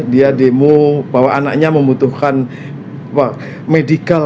dia demo bahwa anaknya membutuhkan medical